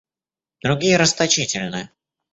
Другие расточительны.